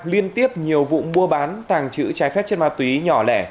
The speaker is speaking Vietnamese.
liên tiếp nhiều vụ mua bán tàng trữ trái phép chất ma túy nhỏ lẻ